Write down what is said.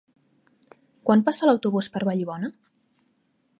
Quan passa l'autobús per Vallibona?